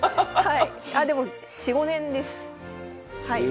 はい。